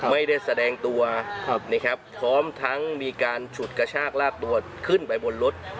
ไม่ได้แสดงตัวนะครับพร้อมทั้งมีการฉุดกระชากลากตัวขึ้นไปบนรถ